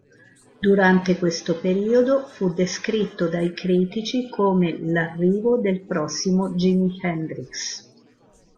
Durante questo periodo fu descritto dai critici come "l'arrivo del prossimo Jimi Hendrix".